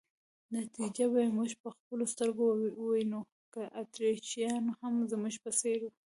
نتیجه به یې موږ په خپلو سترګو وینو، که اتریشیان هم زموږ په څېر.